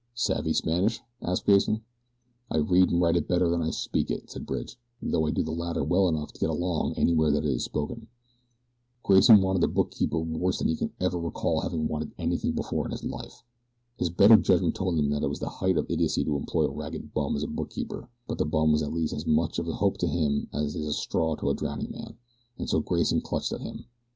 "Savvy Spanish?" asked Grayson. "I read and write it better than I speak it," said Bridge, "though I do the latter well enough to get along anywhere that it is spoken." Grayson wanted a bookkeeper worse than he could ever recall having wanted anything before in all his life. His better judgment told him that it was the height of idiocy to employ a ragged bum as a bookkeeper; but the bum was at least as much of a hope to him as is a straw to a drowning man, and so Grayson clutched at him.